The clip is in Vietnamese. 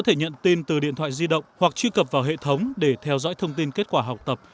thể nhận tin từ điện thoại di động hoặc truy cập vào hệ thống để theo dõi thông tin kết quả học tập